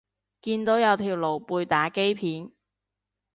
見到有條露背打機片